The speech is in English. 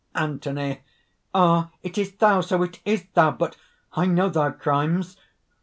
ANTHONY. "Ah! it is thou!... so it is thou! But I know thy crimes!